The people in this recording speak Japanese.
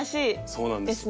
そうなんですよ。